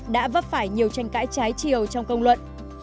đã vấp phải nhiều tranh cãi trái chiều trong công luận